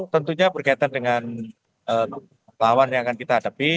tentunya berkaitan dengan lawan yang akan kita hadapi